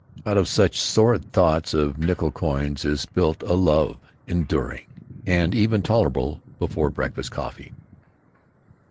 (Out of such sordid thoughts of nickel coins is built a love enduring, and even tolerable before breakfast coffee.)